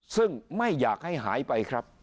ซึ่งไม่อยากให้หายไปครับ